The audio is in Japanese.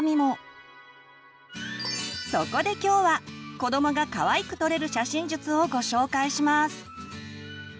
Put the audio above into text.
そこで今日は子どもがかわいく撮れる写真術をご紹介します！